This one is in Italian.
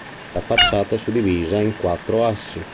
La facciata è suddivisa in quattro assi.